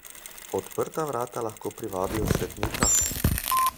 Odprta vrata lahko privabijo svetnika.